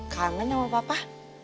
kamen sama papa